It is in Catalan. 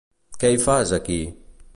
Què hi fas, aquí?